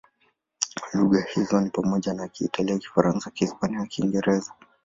Lugha hizo ni pamoja na Kiitalia, Kifaransa, Kihispania na Kiingereza.